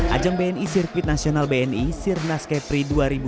ajang bni sirkuit nasional bni sirnas kepri dua ribu dua puluh